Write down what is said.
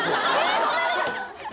ごめんなさい！